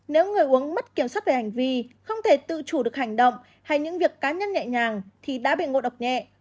nếu người uống mất kiểm soát về hành vi không thể tự chủ được hành động hay những việc cá nhân nhẹ nhàng thì đã bị ngộ độc nhẹ